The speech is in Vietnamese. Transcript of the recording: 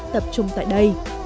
tập trung tại đây